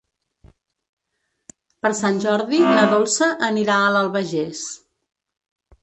Per Sant Jordi na Dolça anirà a l'Albagés.